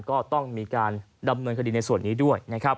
ก็ต้องมีการดำเนินคดีในส่วนนี้ด้วยนะครับ